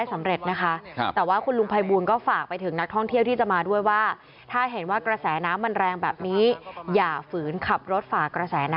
แล้วตอนนั้นหรือเบ่นก็เห็นไม่รู้ว่าเหตุการณ์มันมันไปยังไงมันถึงไหนนะครับ